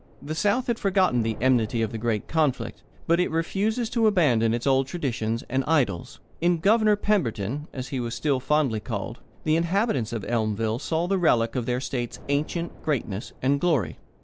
The South has forgotten the enmity of the great conflict, but it refuses to abandon its old traditions and idols. In "Governor" Pemberton, as he was still fondly called, the inhabitants of Elmville saw the relic of their state's ancient greatness and glory.